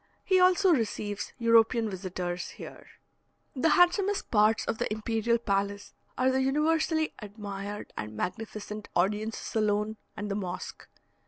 He also receives European visitors here. The handsomest parts of the imperial palace are the universally admired and magnificent audience saloon and the mosque.